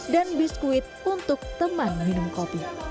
dan biskuit untuk teman minum kopi